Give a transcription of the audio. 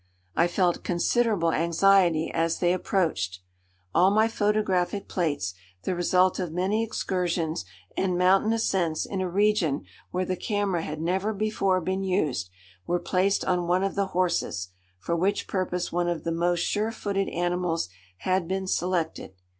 I felt considerable anxiety as they approached. All my photographic plates, the result of many excursions and mountain ascents in a region where the camera had never before been used, were placed on one of the horses, for which purpose one of the most sure footed animals had been selected.